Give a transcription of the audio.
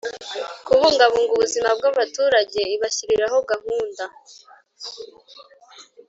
kubungabunga ubuzima bw abaturage ibashyiriraho gahunda